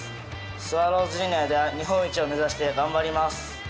スワローズジュニアでは日本一を目指して頑張ります。